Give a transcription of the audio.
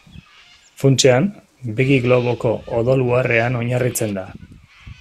Funtsean, begi-globoko odol-uharrean oinarritzen da.